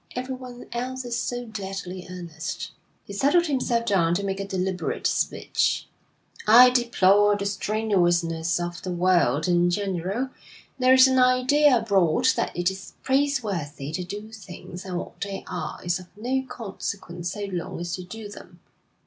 Everyone else is so deadly earnest.' He settled himself down to make a deliberate speech. 'I deplore the strenuousness of the world in general. There is an idea abroad that it is praiseworthy to do things, and what they are is of no consequence so long as you do them.